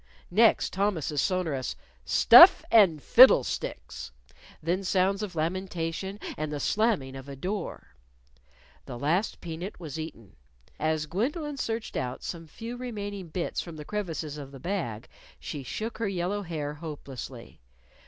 Next, Thomas's sonorous, "Stuff and fiddle sticks!" then sounds of lamentation, and the slamming of a door. The last peanut was eaten. As Gwendolyn searched out some few remaining bits from the crevices of the bag, she shook her yellow hair hopelessly.